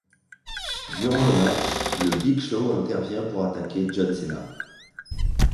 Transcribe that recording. Durant le match, le Big Show intervient pour attaquer John Cena.